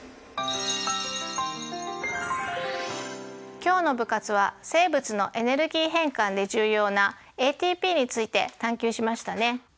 今日の部活は生物のエネルギー変換で重要なＡＴＰについて探究しましたね。